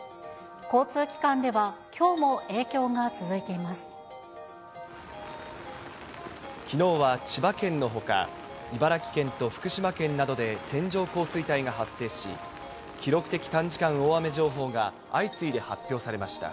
交通機関では、きょうも影響きのうは千葉県のほか、茨城県と福島県などで線状降水帯が発生し、記録的短時間大雨情報が相次いで発表されました。